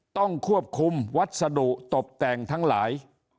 ต้องควบคุมวัสดุตบแต่งทั้งหลาย